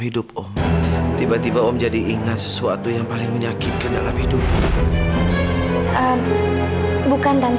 hidup oh tiba tiba om jadi ingat sesuatu yang paling menyakitkan dalam hidup bukan tanpa